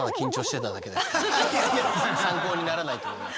参考にならないと思います。